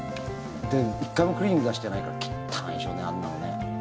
で、１回もクリーニング出してないからきったないんでしょうねあんなのね。